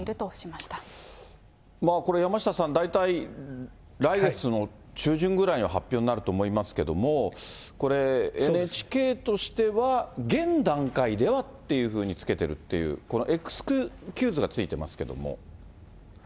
まあ、これ、山下さん、大体来月の中旬ぐらいの発表になると思いますけども、ＮＨＫとしては、現段階ではっていうふうにつけるっていう、このエクスキューズが付いてますけども。